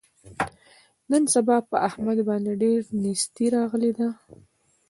نن سبا په احمد باندې ډېره نیستي راغلې ده.